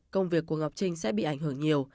công việc của ngọc trinh sẽ bị ảnh hưởng nhiều